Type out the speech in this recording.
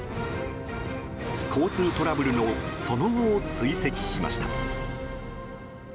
交通トラブルのその後を追跡しました。